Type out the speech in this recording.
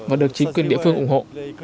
và được chính quyền địa phương ủng hộ